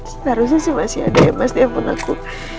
seharusnya masih ada ya mas di email aku